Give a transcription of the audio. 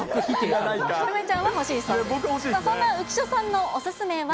そんな浮所さんのお勧めは。